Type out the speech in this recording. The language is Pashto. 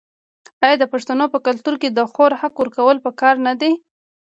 آیا د پښتنو په کلتور کې د خور حق ورکول پکار نه دي؟